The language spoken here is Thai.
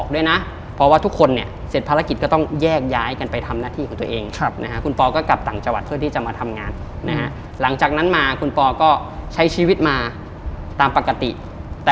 แล้วก็บอกเพื่อนคุณปอล์ก็บอกคุณเอ๊ว่า